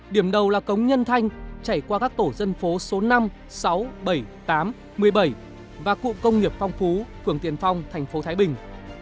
điểm đầu là cống nhân thanh chảy qua các tổ dân phố số năm sáu bảy tám một mươi bảy và cụ công nghiệp phong phú phường tiền phong thành phố thái bình